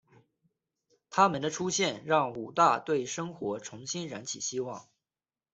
她们的出现让武大对生活重新燃起希望。